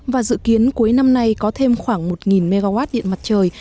và dự kiến cuối năm nay có thêm khoảng một mw điện mặt trời